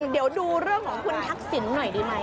เดี๋ยวดูเรื่องของคุณทักษิณหน่อยดีไหม